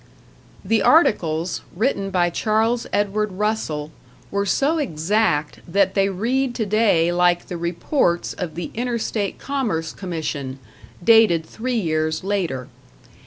The articles, written by Charles Edward Russell, were so exact that they read today like the reports of the Interstate Commerce Commission, dated three years later.